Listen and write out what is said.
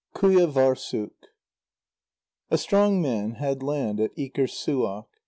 QUJÂVÂRSSUK A strong man had land at Ikerssuaq.